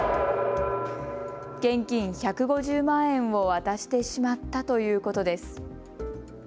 現金１５０万円を渡してしまったということです。